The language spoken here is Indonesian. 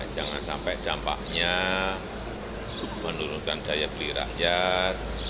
jangan sampai dampaknya menurunkan daya beli rakyat